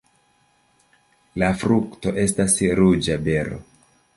La frukto estas ruĝa bero.